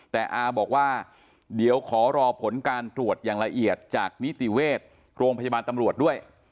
แต่อาบอกว่าเดี๋ยวขอรอผลการตรวจอย่างละเอียดจากนิติเวชโรงพยาบาลตำรวจด้วย